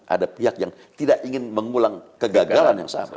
ada pihak yang tidak ingin mengulang kegagalan yang sama